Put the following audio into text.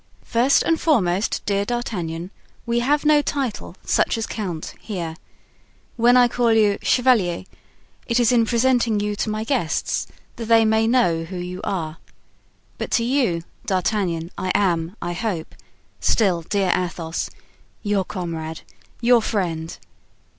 "First and foremost, dear D'Artagnan, we have no title such as count here. When I call you 'chevalier,' it is in presenting you to my guests, that they may know who you are. But to you, D'Artagnan, I am, I hope, still dear Athos, your comrade, your friend.